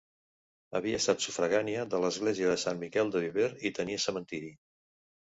Havia estat sufragània de l'església de Sant Miquel de Viver i tenia cementiri.